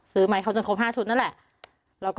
ซื้อใหม่เขาเป็นคนต่อมาซุดนี่แหละ